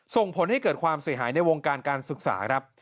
ส่งผลให้เกิดความเสียหายในวงการการศึกษาครับ